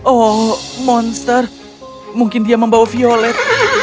oh monster mungkin dia membawa violet